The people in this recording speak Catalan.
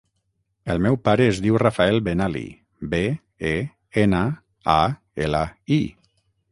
El meu pare es diu Rafael Benali: be, e, ena, a, ela, i.